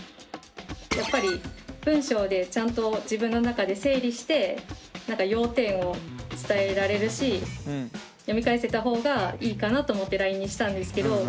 やっぱり文章でちゃんと自分の中で整理して要点を伝えられるし読み返せたほうがいいかなと思ってＬＩＮＥにしたんですけど。